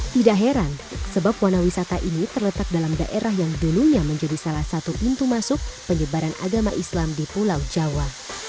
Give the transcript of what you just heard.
tidak heran sebab wana wisata ini terletak dalam daerah yang dulunya menjadi salah satu pintu masuk penyebaran agama islam di pulau jawa